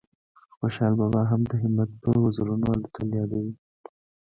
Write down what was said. خوشال بابا هم د همت په وزرونو الوتل یادوي